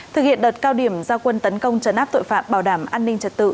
thực hiện đợt cao điểm giao quân tấn công trấn áp tội phạm bảo đảm an ninh trật tự